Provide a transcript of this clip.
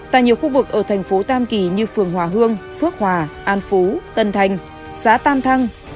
tại nhiều khu vực ở thành phố tam kỳ như phường hòa hương phước hòa an phú tân thành xã tam thăng